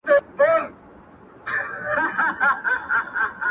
• که مي ازل ستا پر لمنه سجدې کښلي نه وې -